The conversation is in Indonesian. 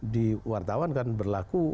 di wartawan kan berlaku